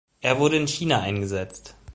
Er wurde in China eingesetzt.